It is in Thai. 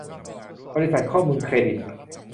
บริษัทข้อมูลเครดิต